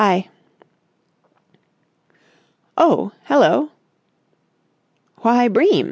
I...." "Oh, hello!" "Why, Bream!"